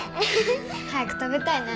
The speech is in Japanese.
早く食べたいね